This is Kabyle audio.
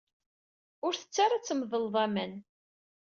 Ur tettu ara ad tmedled aman.